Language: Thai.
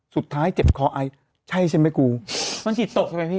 สุดท้ายเจ็บคอไอใช่ใช่ไหมกูต้องจิตตกใช่ไหมพี่